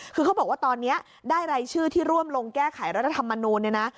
คือเขาบอกว่าตอนนี้ได้รายชื่อที่ร่วมลงแก้ไขรัฐธรรมนูลเนี่ยนะ